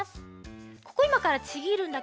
ここいまからちぎるんだけどね